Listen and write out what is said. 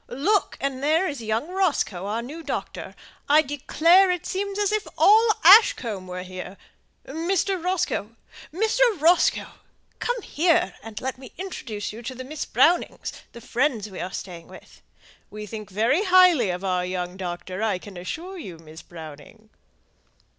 Look! and there is young Roscoe, our new doctor. I declare it seems as if all Ashcombe were here. Mr. Roscoe! Mr. Roscoe! come here and let me introduce you to Miss Browning, the friend we are staying with. We think very highly of our young doctor, I can assure you, Miss Browning."